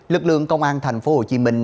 lực lượng công an thành phố hồ chí minh